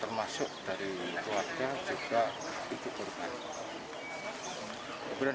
termasuk dari keluarga juga ibu korban